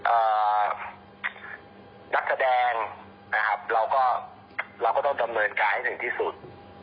เอ่อนักแสดงนะครับเราก็เราก็ต้องดำเนินการให้ถึงที่สุด